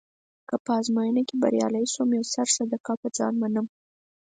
که په ازموینه کې بریالی شوم یو سر صدقه يه ځان منم.